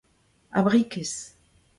abrikez